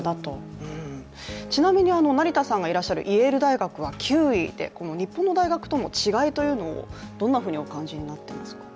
ちなみに成田さんがいらっしゃるイェール大学は９位で、日本の大学との違いをどんなふうにお感じになっていますか？